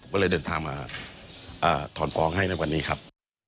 ก็เลยเดินทางมาถอนฟ้องให้ในวันนี้ครับ